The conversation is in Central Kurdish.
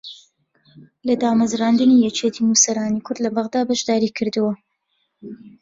لە دامەزراندنی یەکێتی نووسەرانی کورد لە بەغداد بەشداری کردووە